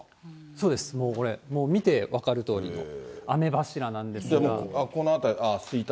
そうです、もうこれ、もう見て分かるとおりの雨柱なんですが。